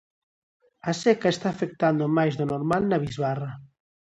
A seca está afectando máis do normal na bisbarra.